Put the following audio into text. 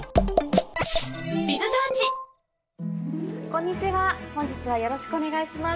こんにちは本日はよろしくお願いします。